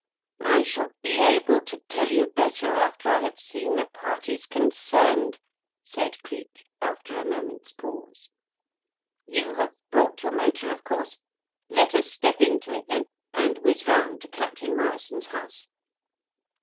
"I shall be able to tell you better after I have seen the parties concerned," said Cleek, after a moment's pause. "You have brought your motor, of course? Let us step into it, then, and whizz round to Captain Morrison's house.